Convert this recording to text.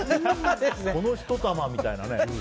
この１玉みたいなね。